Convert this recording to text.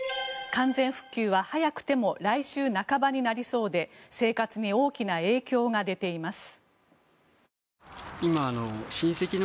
完全復旧は早くても来週半ばになりそうで生活に大きな影響が出ています。